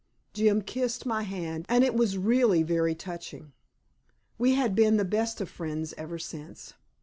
Jim kissed my hand, and it was really very touching. We had been the best of friends ever since.